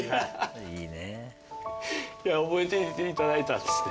覚えていていただいたんですね。